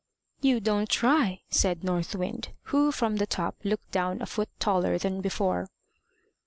"You don't try" said North Wind, who from the top looked down a foot taller than before.